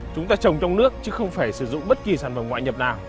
chúng ta trồng trong nước chứ không phải sử dụng bất kỳ sản phẩm ngoại nhập nào